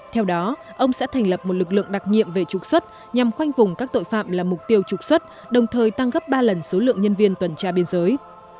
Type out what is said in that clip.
theo đó ông sẽ thành lập một lực lượng đặc nhiệm về trục xuất nhằm khoanh vùng các tội phạm là mục tiêu trục xuất đồng thời tăng gấp ba lần số lượng nhân viên tuần tra biên giới